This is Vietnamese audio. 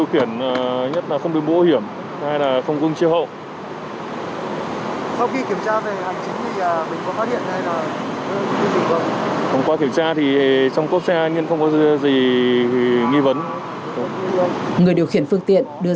thế việc mà mình không đổi thì mình nhận thức thế nào